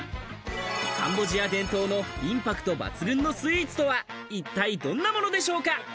カンボジア伝統のインパクト抜群のスイーツとは一体どんなものでしょうか。